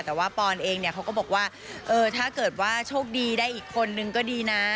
แต่ว่าปอนเองเนี่ยเขาก็บอกว่าถ้าเกิดว่าโชคดีได้อีกคนนึงก็ดีนะ